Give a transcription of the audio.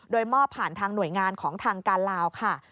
โดยมอบผ่านทางหน่วยงานของทางการลาวค่ะ